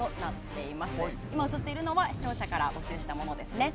今映っているのが視聴者の方から募集したものです。